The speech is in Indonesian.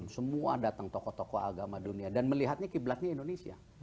semua datang tokoh tokoh agama dunia dan melihatnya kiblatnya indonesia